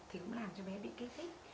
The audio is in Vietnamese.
thì cũng làm cho bé bị kích thích